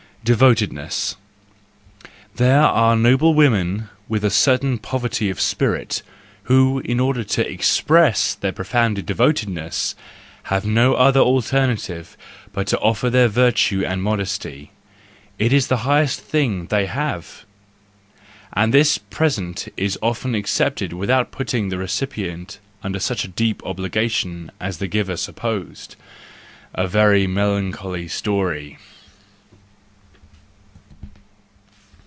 Devotedness .—There are noble women with a certain poverty of spirit, who, in order to express their profoundest devotedness, have no other alter¬ native but to offer their virtue and modesty: it is the highest thing they have. And this present is often accepted without putting the recipient under such deep obligation as the giver supposed, —a very melancholy story!